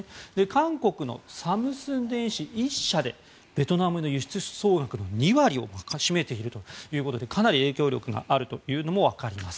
韓国のサムスン電子１社でベトナムの輸出総額の２割を占めているということでかなり影響力があるというのもわかります。